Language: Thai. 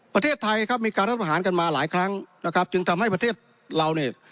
ประเทศไทยครับมีการรัฐประหารกันมาหลายครั้งนะครับจึงทำให้ประเทศเราเนี่ย